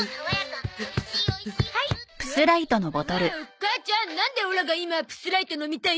母ちゃんなんでオラが今プスライト飲みたいってわかったの？